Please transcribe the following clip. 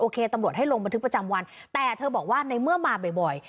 ตำรวจให้ลงบันทึกประจำวันแต่เธอบอกว่าในเมื่อมาบ่อย